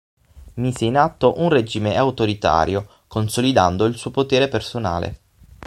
Mise in atto un regime autoritario, consolidando il suo potere personale.